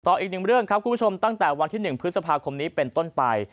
อีกหนึ่งเรื่องครับคุณผู้ชมตั้งแต่วันที่๑พฤษภาคมนี้เป็นต้นไป